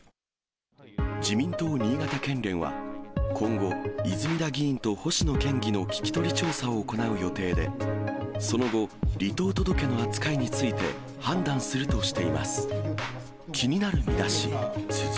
自民党新潟県連は、今後、泉田議員と星野県議の聞き取り調査を行う予定で、その後、離党届の扱いについて、判断するとしています。